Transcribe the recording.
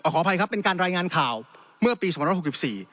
ขออภัยครับเป็นการรายงานข่าวเมื่อปี๒๖๔